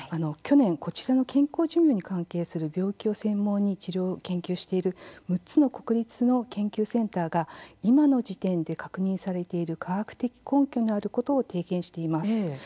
去年、こちらの健康寿命に関係するさまざまな病気を専門に治療、研究している６つの国立の研究センターが今の時点で確認されている科学的根拠のあることを提言しています。